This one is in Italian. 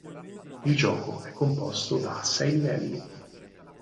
Il gioco è composto da sei livelli.